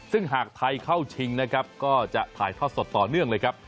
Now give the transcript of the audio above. ซึ่งหากไทยเข้าชิงนะครับก็จะถ่ายทอดสดต่อเนื่องเลยครับ